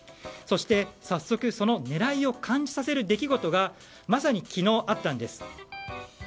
そして早速、その狙いを感じさせる出来事がまさに昨日あったんです。